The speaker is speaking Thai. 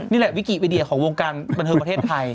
นี่แหละวิกีไปเดี๋ยวของวงการบรรเทิร์นประเทศใคร